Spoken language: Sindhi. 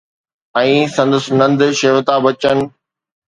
۽ سندس نند شيوتا بچن